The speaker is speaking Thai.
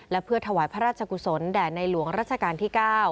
และเพื่อถวายพระราชกุศลแด่ในหลวงรัชกาลที่๙